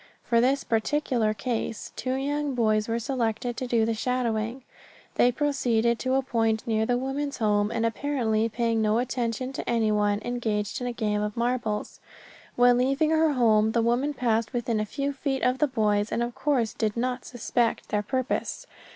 For this particular case two young boys were selected to do the shadowing. They proceeded to a point near the woman's home, and apparently paying no attention to anyone, engaged in a game of marbles. When leaving her home the woman passed within a few feet of the boys and of course did not suspect their purpose.